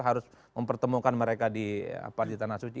harus mempertemukan mereka di tanah suci